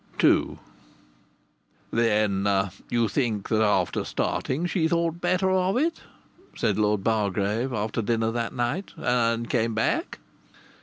II "Then you think that after starting she thought better of it?" said Lord Bargrave after dinner that night. "And came back?"